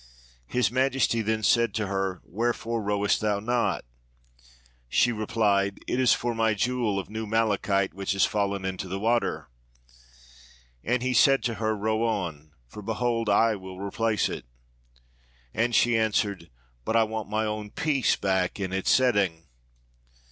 His Majesty then said to her, 'Wherefore rowest thou not?' She replied, 'It is for my jewel of new malachite which is fallen into the water.' And he said to her, 'Row on, for behold I will replace it.' And she answered, 'But I want my own piece back in its setting.'